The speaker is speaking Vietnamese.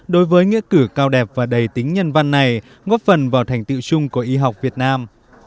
đối với nghĩa cử cao đẹp và đầy tính nhân văn này góp phần vào thành tựu chung của y học việt nam